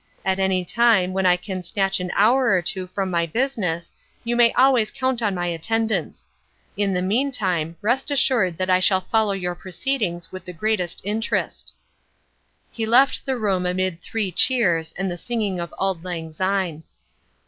At any time, when I can snatch an hour or two from my business, you may always count on my attendance. In the meantime, rest assured that I shall follow your proceedings with the greatest interest." He left the room amid three cheers and the singing of "Auld Lang Syne."